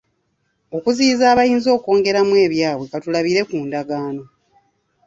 Olw’okuziyiza abayinza okwongeramu ebyabwe ka tulabire ku ndagaano.